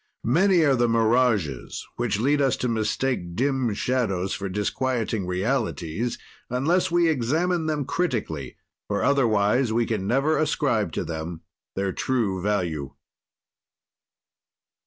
"Many are the mirages, which lead us to mistake dim shadows for disquieting realities, unless we examine them critically, for otherwise we can never ascribe to them their true value.